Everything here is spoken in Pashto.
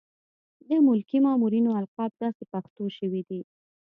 د ملکي مامورینو القاب داسې پښتو شوي دي.